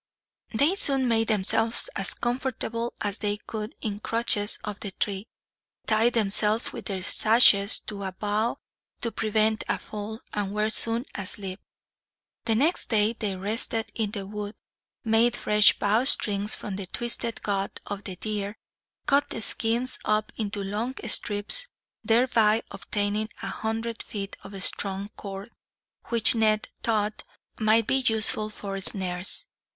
They soon made themselves as comfortable as they could in crutches of the tree, tied themselves with their sashes to a bough to prevent a fall, and were soon asleep. The next day they rested in the wood, made fresh bowstrings from the twisted gut of the deer, cut the skins up into long strips, thereby obtaining a hundred feet of strong cord, which Ned thought might be useful for snares.